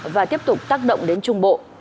và tiếp tục tác động đến trung bộ